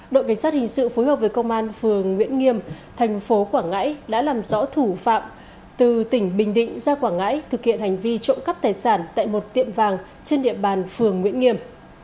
đội cảnh sát hình sự phối hợp với công an phường nguyễn nghiêm thành phố quảng ngãi đã làm rõ thủ phạm từ tỉnh bình định ra quảng ngãi thực hiện hành vi trộm cắp tài sản tại một tiệm vàng trên địa bàn phường nguyễn nghiêm